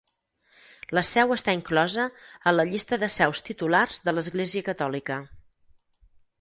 La seu està inclosa a la llista de seus titulars de l'Església Catòlica.